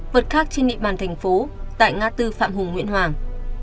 vật khác trên địa bàn thành phố tại ngã tư phạm hùng nguyễn hoàng